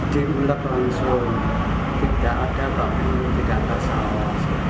di ulek langsung tidak ada bakso tidak ada saus